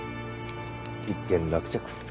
一件落着。